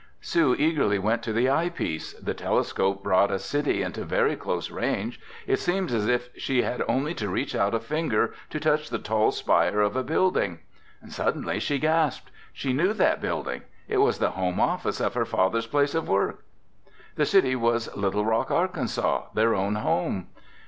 Sue eagerly went to the eyepiece. The telescope brought a city into very close range. It seemed as if she had only to reach out a finger to touch the tall spire of a building. Suddenly she gasped. She knew that building! It was the home office of her father's place of work. The city was Little Rock, Arkansas, their own home!